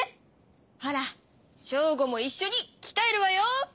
ほらショーゴもいっしょにきたえるわよ！